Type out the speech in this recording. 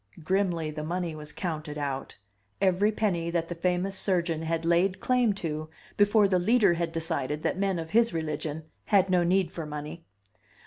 Grimly the money was counted out, every penny that the famous surgeon had laid claim to before the Leader had decided that men of his religion had no need for money.